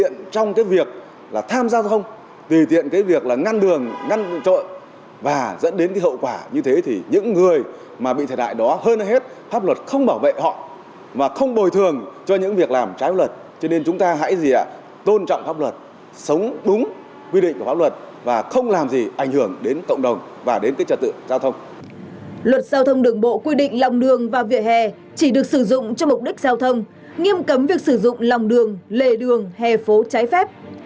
luật giao thông đường bộ quy định lòng đường và viện hè chỉ được sử dụng cho mục đích giao thông nghiêm cấm việc sử dụng lòng đường lề đường hè phố trái phép